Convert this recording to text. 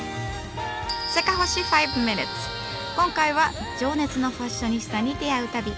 今回は情熱のファッショニスタに出会う旅！